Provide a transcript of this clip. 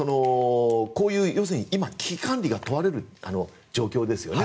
こういう今、危機管理が問われる状況ですよね